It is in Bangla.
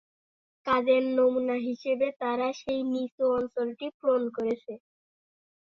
কাজের নমুনা হিসাবে তারা সেই নিচু অঞ্চলটি পূরণ করেছে।